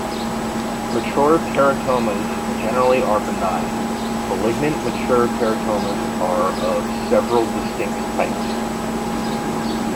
Mature teratomas generally are benign; malignant mature teratomas are of several distinct types.